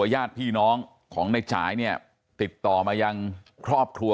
ขึ้นอยู่กับความเชื่อนะฮะสุดท้ายเนี่ยทางครอบครัวก็เชื่อว่าป้าแดงก็ไปที่วัดแล้ว